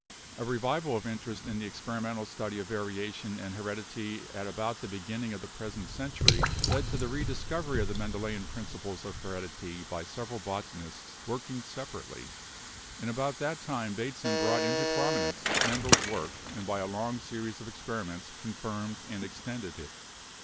A revival of interest in the ex perimental study of variation and heredity at about the beginning of the present century led to the rediscovery of the Mendelian principles of heredity by several bota nists working separately, and about that time Bateson 252 BIOLOGY "brought into prominence Mendel's work and by a long series of experiments confirmed and extended it.